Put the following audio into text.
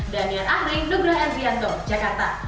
dania arding nugraha rianto jakarta